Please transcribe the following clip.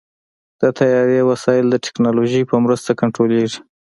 د طیارې وسایل د ټیکنالوژۍ په مرسته کنټرولېږي.